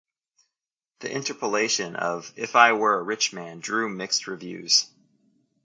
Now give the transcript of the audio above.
The interpolation of "If I Were a Rich Man" drew mixed reviews.